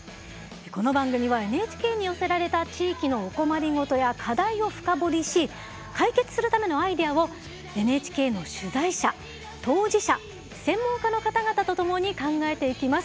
この番組はＮＨＫに寄せられた地域のお困り事や課題を深掘りし解決するためのアイデアをＮＨＫの取材者当事者専門家の方々と共に考えていきます。